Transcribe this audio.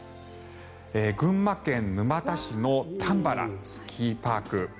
群馬県沼田市のたんばらスキーパーク。